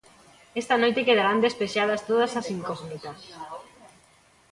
Esta noite quedarán despexadas todas as incógnitas.